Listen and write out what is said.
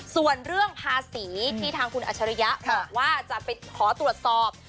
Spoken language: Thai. ส่วนเรื่องภาษีที่ทางคุณอัชริยะบอกว่าจะไปขอตรวจสอบ